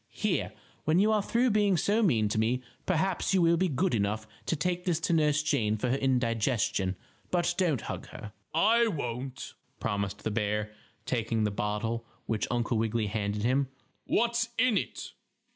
"Here, when you are through being so mean to me perhaps you will be good enough to take this to Nurse Jane for her indigestion, but don't hug her." "I won't," promised the bear, taking the bottle which Uncle Wiggily handed him. "What's in it?"